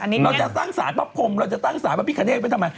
เราจะตั้งศาลประภมเราจะตั้งศาลประภิกาเนธไปทำไม